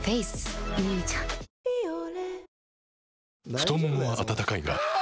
太ももは温かいがあ！